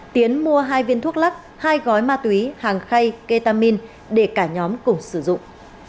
tiến mua hai viên thuốc lắc hai gói ma túy hàng khay ketamin để cả nhóm cùng sử dụng